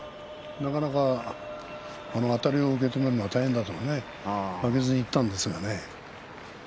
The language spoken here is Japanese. なかなかあたりを受け止めるのは大変だということでいったんでしょうね。